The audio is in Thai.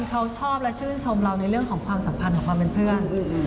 เขาชอบและชื่นชมเราในเรื่องของความสัมพันธ์ของความเป็นเพื่อน